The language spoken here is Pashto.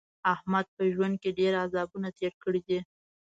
احمد په ژوند کې ډېر عذابونه تېر کړي دي.